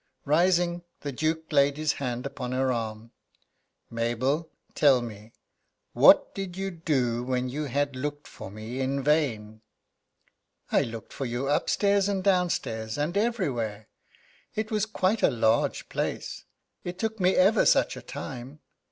Rising, the Duke laid his hand upon her arm: "Mabel, tell me what did you do when you had looked for me in vain?" "I looked for you upstairs and downstairs, and everywhere. It was quite a large place, it took me ever such a time.